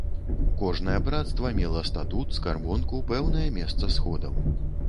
Кожнае брацтва мела статут, скарбонку, пэўнае месца сходаў.